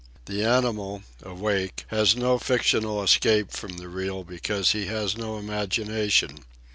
The animal, awake, has no fictional escape from the Real because he has no imagination.